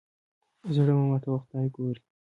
زړه مه ماتوه خدای ګوري.